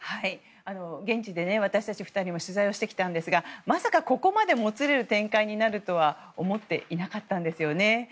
現地で私たち２人も取材をしてきたんですがまさかここまでもつれる展開になるとは思っていなかったんですよね。